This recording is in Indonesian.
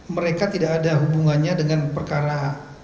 mereka tidak ada hubungannya dengan perkara